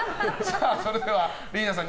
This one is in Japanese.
それではリイナさん